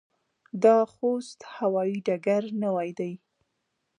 د خوست هوايي ډګر نوی دی